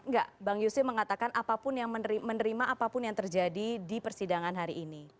enggak bang yusuf mengatakan menerima apapun yang terjadi di persidangan hari ini